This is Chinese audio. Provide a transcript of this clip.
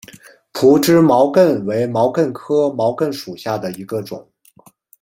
匍枝毛茛为毛茛科毛茛属下的一个种。